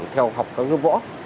theo học các lớp võ